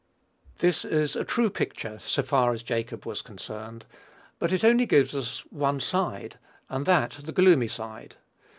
This is a true picture, so far as Jacob was concerned; but it only gives us one side, and that the gloomy side.